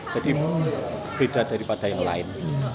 jadi beda daripada yang lain